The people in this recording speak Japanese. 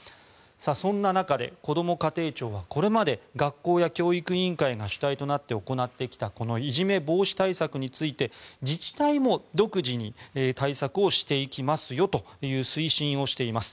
そんな中でこども家庭庁はこれまで学校や教育委員会が主体となって行ってきたこのいじめ対策について自治体も独自に対策をしていきますよという推進をしています。